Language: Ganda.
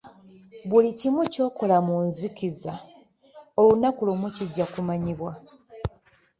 Buli kyonna ky'okola mu nzikiza olunaku lumu kijja kumanyibwa.